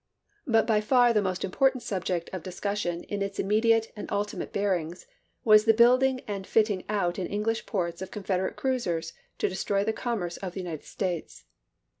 But by far the most important subject of dis cussion in its immediate and ultimate bearings was the building and fitting out in English ports of Confederate cruisers to destroy the commerce of the United States.